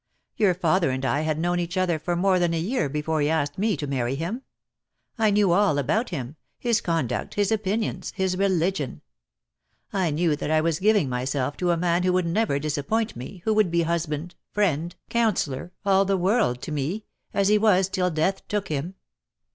Your father and I had known each other for more than a year before he asked jne to marry him. I knew all about him — his conduct — his opinions — his religion. I knew that I was giving myself to a man who would never dis appoint me, who would be husband, friend, coun 192 DEAD LOVE HAS CHAINS. seller, all the world to me; as he was, till death took him."